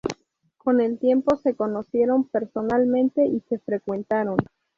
Con el tiempo se conocieron personalmente y se frecuentaron.